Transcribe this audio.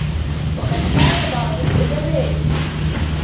وَقَدْ قَالَ بَعْضُ الْأُدَبَاءِ